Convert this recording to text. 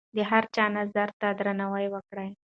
د هر چا نظر ته درناوی وکړئ.